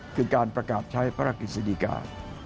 จึงการประกาศใช้ภาพระกิจสินิกา